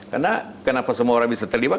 karena kenapa semua orang bisa terlibat